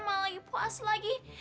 malah lagi puas lagi